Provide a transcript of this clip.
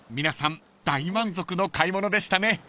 ［皆さん大満足の買い物でしたね］